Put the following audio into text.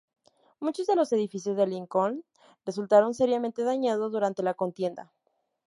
Muchos de los edificios de Lincoln resultaron seriamente dañados durante la contienda.